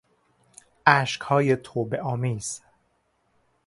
اشکهای توبهآمیز